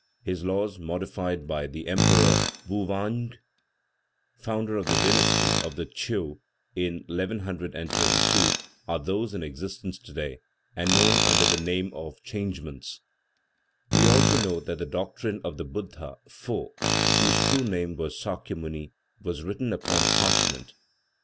His laws, modified by the Emperor Vou vange, founder of the dynasty of the Tcheou in 1122, are those in existence today, and known under the name of "Changements." We also know that the doctrine of the Buddha Fô, whose true name was Sakya Muni was written upon parchment.